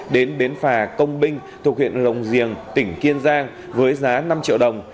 đến bến phà công binh thuộc huyện rồng riềng tỉnh kiên giang với giá năm triệu đồng